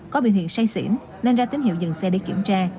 có biên huyện say xỉn nên ra tín hiệu dừng xe để kiểm tra